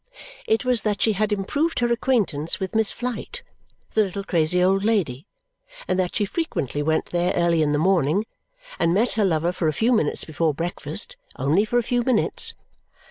It was that she had improved her acquaintance with Miss Flite, the little crazy old lady, and that she frequently went there early in the morning and met her lover for a few minutes before breakfast only for a few minutes.